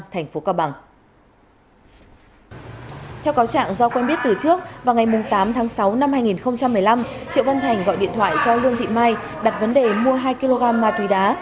theo cáo trạng do quen biết từ trước vào ngày tám tháng sáu năm hai nghìn một mươi năm triệu văn thành gọi điện thoại cho lương thị mai đặt vấn đề mua hai kg ma túy đá